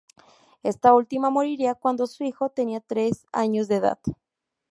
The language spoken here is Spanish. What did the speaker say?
Esta última moriría cuando su hijo tenía tres años de edad.